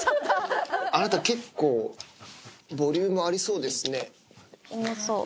あなた、結構、ボリュームありそうですね。